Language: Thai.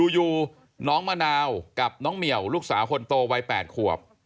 อยู่น้องมะนาวกับน้องเหมียวลูกสาวคนโตวัย๘ขวบ